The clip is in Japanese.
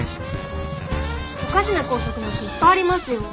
おかしな校則なんていっぱいありますよ。